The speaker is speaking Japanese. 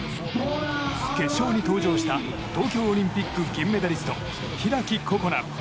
決勝に登場した東京オリンピック銀メダリスト開心那。